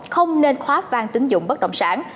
không nên khóa vang tín dụng bất động sản